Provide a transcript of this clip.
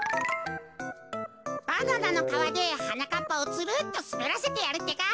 バナナのかわではなかっぱをつるっとすべらせてやるってか。